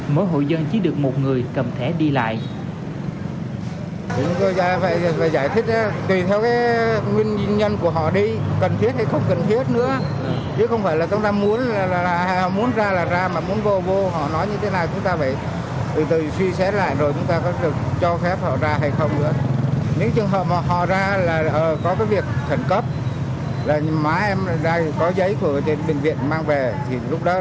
mỗi hội dân chỉ được một người cầm thẻ đi lại